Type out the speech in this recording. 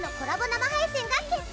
生配信が決定！